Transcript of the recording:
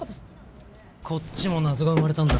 こっちも謎が生まれたんだろ？